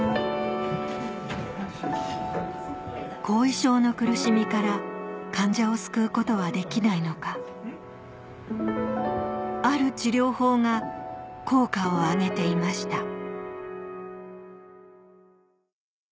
後遺症の苦しみから患者を救うことはできないのかある治療法が効果を上げていました